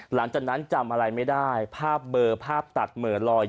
หลังจากนั้นจำอะไรไม่ได้ภาพเบอร์ภาพตัดเหมือนลอย